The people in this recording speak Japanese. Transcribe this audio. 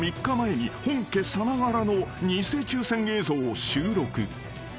３日前に本家さながらの偽抽せん映像を収録］